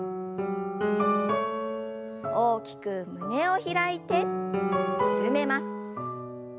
大きく胸を開いて緩めます。